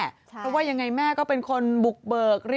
เพราะว่ายังไงแม่ก็เป็นคนบุกเบิก